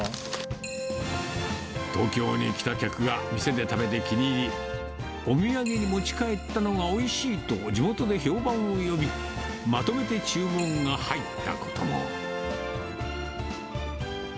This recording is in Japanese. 東京に来た客が店で食べて気に入り、お土産に持ち帰ったのがおいしいと、地元で評判を呼び、まとめて注文が入ったことも。